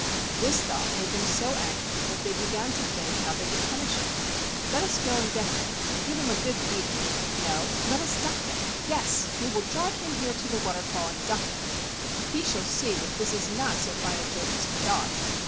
This thought made them so angry that they began to think how they could punish him. "Let us go and get him and give him a good A JAPANESE STORY beating. No, let us duck him. Yes, we will drag him here to the waterfall and duck him. He shall see that this is not so fine a joke as he thought.